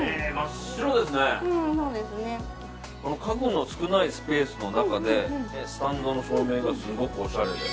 家具の少ないスペースの中でスタンドの照明がすごくおしゃれで。